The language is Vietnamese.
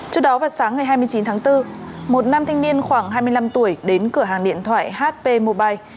trước đó vào sáng ngày hai mươi chín tháng bốn một nam thanh niên khoảng hai mươi năm tuổi đến cửa hàng điện thoại hp mobile